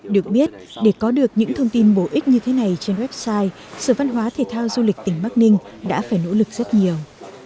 được biết để có được những thông tin bổ ích như thế này trên website sở văn hóa thể thao du lịch tỉnh bắc ninh đã phải nỗ lực rất nhiều